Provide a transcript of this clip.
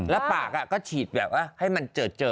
พอปากก็ฉีดให้มันเจอ